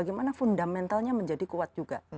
bagaimana fundamentalnya menjadi kuat juga